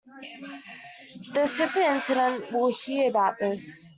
The superintendent will hear about this.